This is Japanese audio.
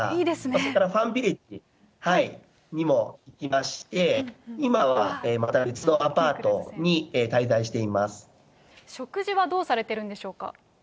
途中からファンビレッジにも行きまして、今はまた別のアパー食事はどうされてるんでしょ